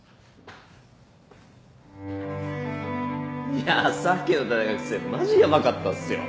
いやさっきの大学生マジヤバかったっすよ。